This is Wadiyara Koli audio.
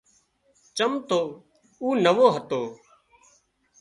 چم تو او نوو هتو